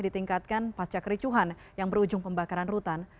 ditingkatkan pasca kericuhan yang berujung pembakaran rutan